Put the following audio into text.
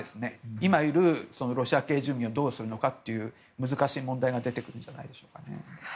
今いるロシア系住民をどうするのかという難しい問題が出てくるんじゃないでしょうか。